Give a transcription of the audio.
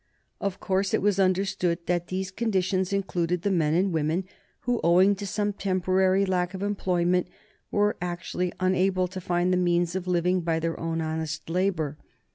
Of course it was understood that these conditions included the men and women who, owing to some temporary lack of employment, were actually unable to find the means of living by their own honest labor.